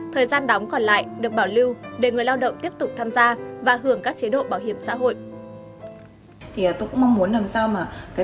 thời gian đóng còn lại được bảo lưu để người lao động tiếp tục tham gia và hưởng các chế độ bảo hiểm xã hội